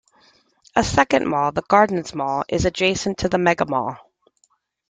A second mall, the Gardens Mall, is adjacent to the Megamall.